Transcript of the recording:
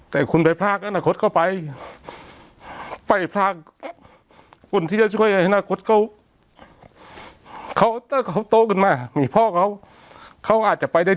แต่คุณไปพรากก็นาคตก็ไป